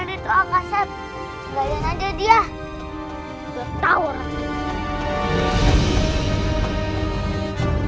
iya benar itu akaset